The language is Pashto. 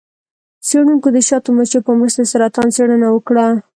څیړونکو د شاتو مچیو په مرسته د سرطان څیړنه وکړه.